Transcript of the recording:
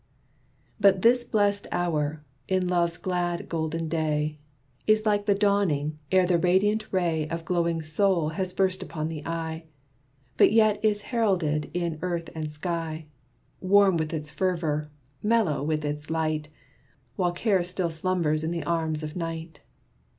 But this blest hour, in love's glad, golden day, Is like the dawning, ere the radiant ray Of glowing Sol has burst upon the eye, But yet is heralded in earth and sky, Warm with its fervor, mellow with its light, While Care still slumbers in the arms of night.